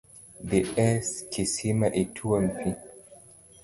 Dhi e kisima ituom pii